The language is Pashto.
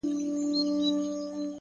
o مينه مني ميني څه انكار نه كوي ـ